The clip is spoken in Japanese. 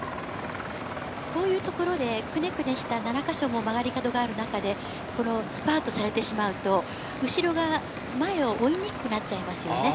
こういうところでクネクネした７つも曲がり角がある中でスパートされてしまうと、後ろが前を追いにくくなっちゃいますね。